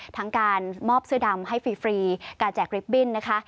ทั้งการมอบเสื้อดำให้ฟรีการแจกริบบิ้นนะคะ